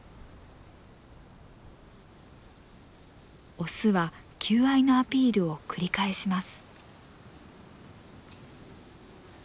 オスは求愛のアピールを繰り返します。